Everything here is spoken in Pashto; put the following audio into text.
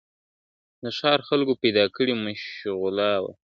د ښار خلکو پیدا کړې مشغولا وه ..